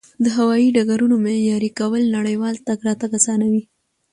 د هوایي ډګرونو معیاري کول نړیوال تګ راتګ اسانوي.